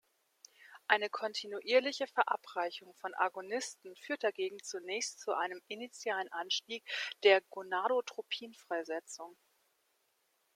Eine kontinuierliche Verabreichung von Agonisten führt dagegen zunächst zu einem initialen Anstieg der Gonadotropin-Freisetzung.